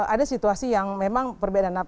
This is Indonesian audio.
ada situasi yang memang perbedaan